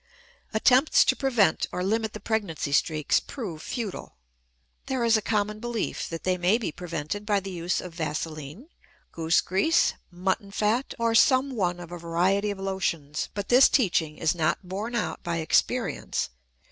Attempts to prevent or limit the pregnancy streaks prove futile. There is a common belief that they may be prevented by the use of vaselin, goose grease, mutton fat, or some one of a variety of lotions; but this teaching is not borne out by experience.